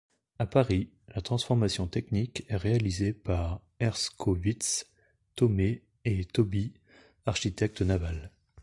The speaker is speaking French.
À Paris, la transformation technique est réalisée par Herskovits, Thômé & Tobie, architecte naval.